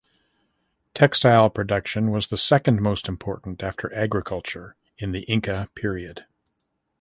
Textile production was the second most important after agriculture in the Inca period.